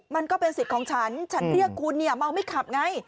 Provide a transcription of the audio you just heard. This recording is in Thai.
มันก็เป็นสิทธิ์ของฉันฉันเรียกคุณเนี่ยเมาไม่ขับไง